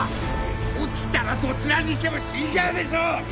落ちたらどちらにしても死んじゃうでしょう！